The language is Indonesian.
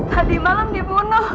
tadi malem dibunuh